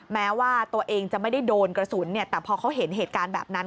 แม้ว่าตัวเองจะไม่ได้โดนกระสุนแต่พอเขาเห็นเหตุการณ์แบบนั้น